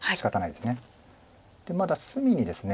でまだ隅にですね